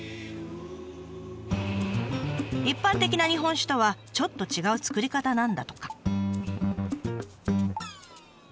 一般的な日本酒とはちょっと違う造り方なんだとか。